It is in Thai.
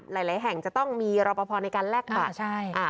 หลายหลายแห่งจะต้องมีรอบประพอในการแลกบัตรอ่าใช่อ่า